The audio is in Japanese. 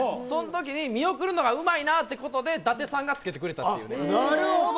そのときに見送るのがうまいなってことで伊達さんが付けてくれたっていう。